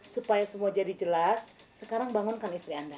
supaya semua jadi jelas sekarang bangunkan istri anda